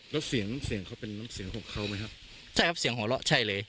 แล้วเสียงเสียงเขาเป็นน้ำเสียงของเขาไหมครับใช่ครับเสียงหัวเราะใช่เลย